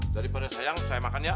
dari penuh sayang saya makan ya